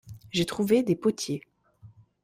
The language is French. J'ai trouvé des potiers.